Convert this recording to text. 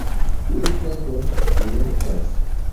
Unu tagon li mortas.